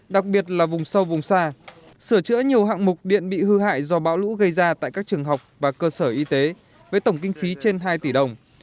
đặc biệt là vùng sâu vùng xa sửa chữa nhiều hạng mục điện bị hư hại do bão lũ gây ra tại các trường học và cơ sở y tế với tổng kinh phí trên hai tỷ đồng